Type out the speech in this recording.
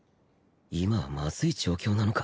今はまずい状況なのか？